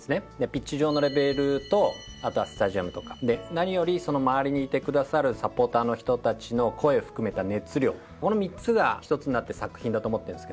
ピッチ上のレベルとあとはスタジアムとかで何よりその周りにいてくださるサポーターの人たちの声含めた熱量この３つが１つになって作品だと思ってるんですけど。